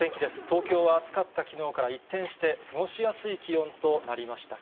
東京は暑かったきのうから一転して、過ごしやすい気温となりました。